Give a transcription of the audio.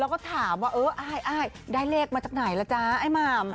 แล้วก็ถามว่าเอออ้ายอ้ายได้เลขมาจากไหนล่ะจ๊ะไอ้หม่ำ